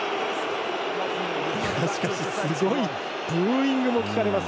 しかし、すごいブーイングも聞かれます